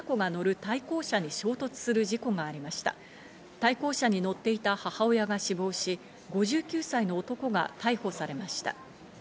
対向車に乗っていた母親が死亡し、５９歳の男が逮捕されました。